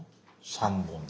３本で。